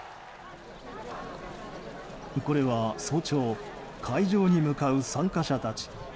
これは早朝会場に向かう参加者たち。